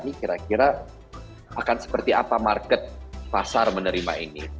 ini kira kira akan seperti apa market pasar menerima ini